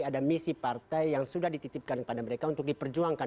ada misi partai yang sudah dititipkan kepada mereka untuk diperjuangkan